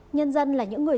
nhân dân là những người